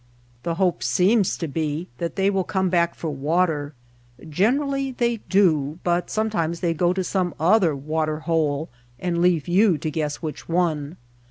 The hope seems to be that they will come back for water. Generally they do, but sometimes they go to some other water hole and leave you to guess which one.